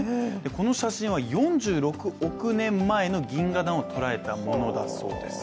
この写真は４６億年前の銀河団をとらえたものだそうです。